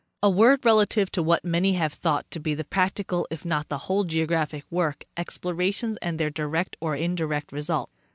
A word relative to what many have thought to be the prac tical if not the whole of geographic work, explorations and their direct or indirect result.